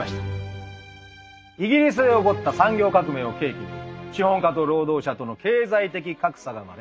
イギリスで起こった産業革命を契機に資本家と労働者との経済的格差が生まれ